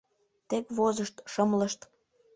Тек возышт, шымлышт.